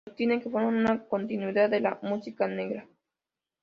Sostiene que forman una continuidad de la música negra.